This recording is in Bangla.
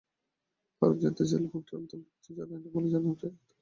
কারণ জানতে চাইলে প্রক্টোরিয়াল দল কিছু জানায়নি বলে জানান চায়ের দোকানিরা।